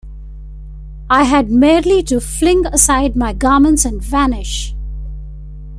I had merely to fling aside my garments and vanish.